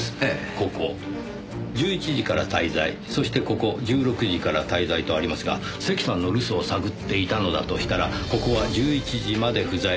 ここ「１１時から滞在」そしてここ「１６時から滞在」とありますが関さんの留守を探っていたのだとしたらここは「１１時まで不在」